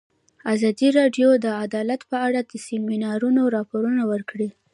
ازادي راډیو د عدالت په اړه د سیمینارونو راپورونه ورکړي.